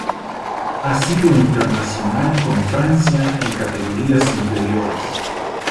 Ha sido internacional con Francia en categorías inferiores.